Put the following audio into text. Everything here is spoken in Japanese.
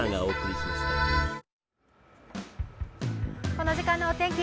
この時間のお天気